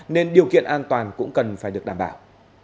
nên điều kiện an toàn cũng cần phải được đảm bảo